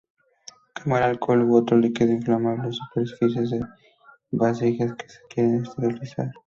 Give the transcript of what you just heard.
Quemar alcohol u otro líquido inflamable en superficies o vasijas que se quieren esterilizar.